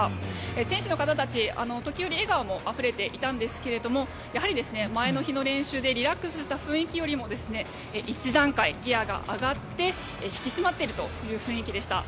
選手の方たち、時折笑顔もあふれていたんですがやはり前の日の練習でリラックスした雰囲気よりも一段階ギアが上がって引き締まっているという雰囲気でした。